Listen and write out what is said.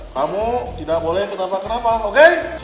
kamu tidak boleh kenapa kenapa oke